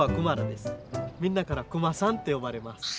みんなからクマさんって呼ばれます。